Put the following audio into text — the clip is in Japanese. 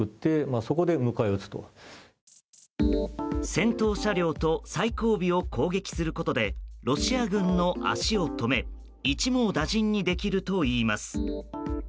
先頭車両と最後尾を攻撃することでロシア軍の足を止め一網打尽にできるといいます。